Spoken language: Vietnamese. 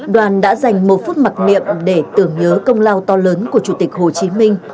đoàn đã dành một phút mặc niệm để tưởng nhớ công lao to lớn của chủ tịch hồ chí minh